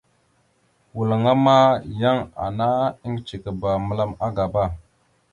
Walŋa ma, yan ana iŋgəcekaba məla agaba.